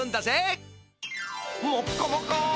もっこもこ！